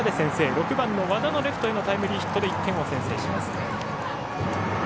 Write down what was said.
６番の和田のタイムリーヒットで１点を先制します。